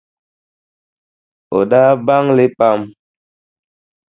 O daa baŋ li pam.